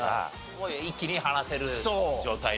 もう一気に話せる状態のやつが。